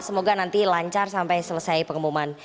semoga nanti lancar sampai selesai pengumuman